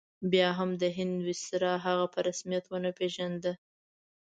بیا هم د هند ویسرا هغه په رسمیت ونه پېژانده.